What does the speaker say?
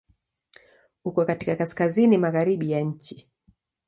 Uko katika kaskazini-magharibi ya nchi.